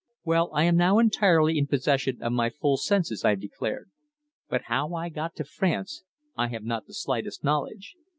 "Well, I am now entirely in possession of my full senses," I declared. "But how I got to France I have not the slightest knowledge.